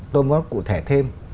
tôi muốn cụ thể thêm